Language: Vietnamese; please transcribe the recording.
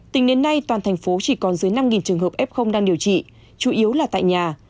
tính đến nay toàn thành phố chỉ còn dưới năm trường hợp f đang điều trị chủ yếu là tại nhà